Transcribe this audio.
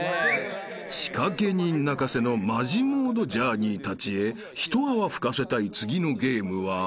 ［仕掛け人泣かせのマジモードジャーニーたちへ一泡吹かせたい次のゲームは］